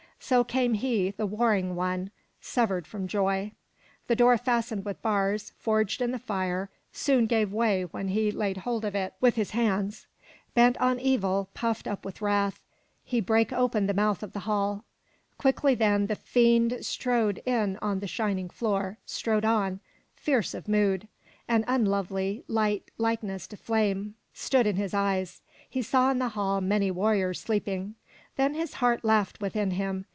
So came he, the warring one, severed from joy. The door fastened with bars, forged in the fire, soon gave way when he laid hold of it with his hands. Bent on evil, puffed up with wrath, he •brake open the mouth of the hall. Quickly then the fiend trod in on the shining floor, strode on, fierce of mood. An unlovely light, likest to flame, stood in his eyes. He saw in the hall many war riors sleeping. Then his heart laughed within him.